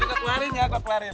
jadi kok larin gak kok larin